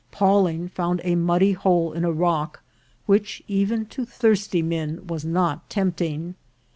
Pawling found a muddy hole in a rock, which, even to thirsty men, was not tempting.